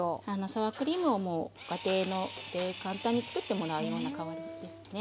サワークリームをご家庭で簡単に作ってもらうような代わりですね。